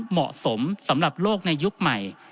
เหมาะสมสำหรับโลกในยุคใหม่